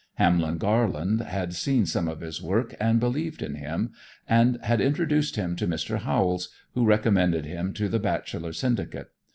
Hamlin Garland had seen some of his work and believed in him, and had introduced him to Mr. Howells, who recommended him to the Bacheller Syndicate.